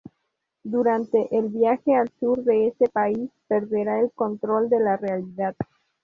Durante el viaje al sur de ese país, perderá el control de la realidad.